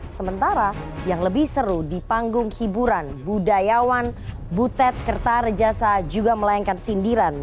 sementara yang lebih seru di panggung hiburan budayawan butet kertarejasa juga melayangkan sindiran